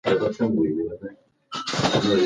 سګرېټ د ناروغیو خطر زیاتوي.